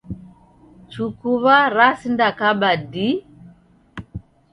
Chukuw'a rasindakaba dii.